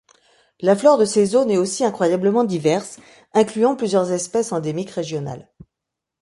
La flore de ces zones est aussi incroyablement diverse, incluant plusieurs espèces endémiques régionales.